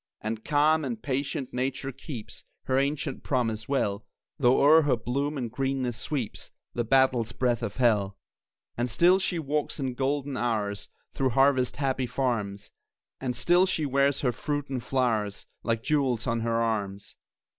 And, calm and patient, Nature keeps Her ancient promise well, Though o'er her bloom and greenness sweeps The battle's breath of hell. And still she walks in golden hours Through harvest happy farms, And still she wears her fruits and flowers Like jewels on her arms.